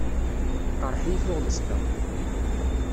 Teqreḥ-iyi tuɣmest-a.